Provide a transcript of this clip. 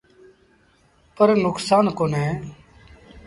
پر نڪسآݩ ڪونهي۔